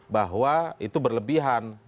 bahwa itu berlebihan